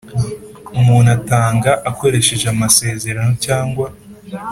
umuntu atanga akoresheje amasezerano cyangwa